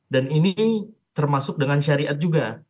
ini termasuk dengan syariat juga